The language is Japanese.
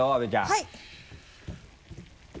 はい！